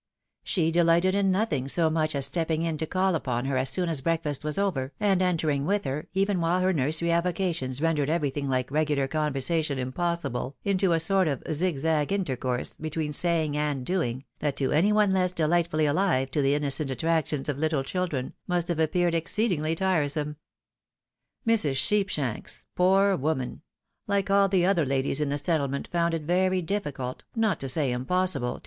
She deUghted in nothing so much as stepping in to call upon her as soon as breakfast was over, and entering with her, even while her nursery avocations rendered everything hke regular conversation impossible, into a sort of zigzag intercourse, between saying and doing, that to any one less delightfully alive to the innocent attractions of little cMldren, must have appeared exceedingly tiresome. Mrs. Sheepshanks, poor woman ! like all the other ladies in the settlement, found it very difficult, not to say impossible, to NTJKSERY ATPArRS.